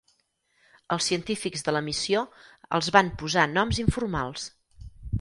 Els científics de la missió els van posar noms informals.